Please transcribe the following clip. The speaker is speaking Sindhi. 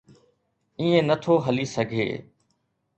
ائين نه ٿو هلي سگهي.